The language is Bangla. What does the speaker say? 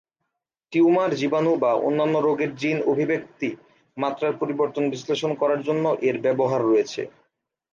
টিউমার, জীবাণু বা অন্যান্য রোগের জিন অভিব্যক্তি মাত্রার পরিবর্তন বিশ্লেষণ করার জন্য এর ব্যবহার রয়েছে।